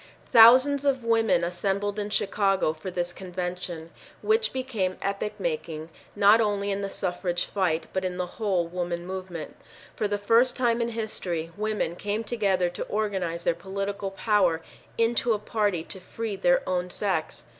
Thousands of women assembled in Chicago for this convention, which became epoch making not only in .the suffrage fight but in the whole woman movement. For the first time in history, women came together to organize their political power into a party to free their own sex.